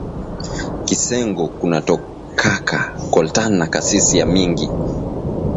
Kisengo kuna tokaka coltan na kasis ya mingi